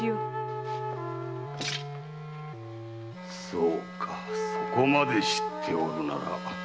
そうかそこまで知っておるなら。